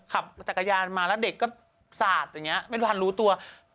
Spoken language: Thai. ขับจักรยานมาแล้วเด็กก็สาดอย่างนี้ไม่ทันรู้ตัว